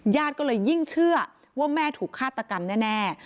ญาติก็เลยยิ่งเชื่อว่าแม่ถูกฆาตกรรมแน่